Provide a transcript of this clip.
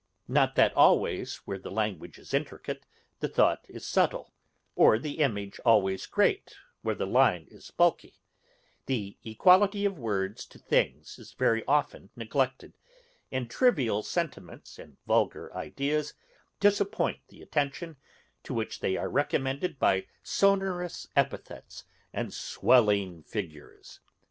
Not that always where the language is intricate the thought is subtle, or the image always great where the line is bulky; the equality of words to things is very often neglected, and trivial sentiments and vulgar ideas disappoint the attention, to which they are recommended by sonorous epithets and swelling figures.